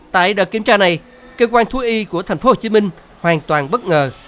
tại đợt kiểm tra này cơ quan thú y của tp hcm hoàn toàn bất ngờ